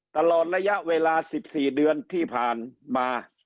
ตลอดระยะเวลา๑๔เดือนที่ผ่านมา